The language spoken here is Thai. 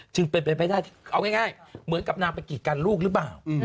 จึงเป็นไปได้ที่เอาง่ายเหมือนกับนางไปกีดกันลูกหรือเปล่า